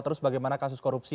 kemungkinan yang harus kita